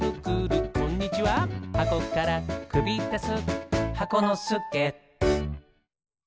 「はこからくびだす」